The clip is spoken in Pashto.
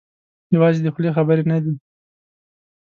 یوازې د خولې خبرې نه دي.